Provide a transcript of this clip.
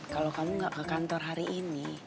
kalau kamu nggak ke kantor hari ini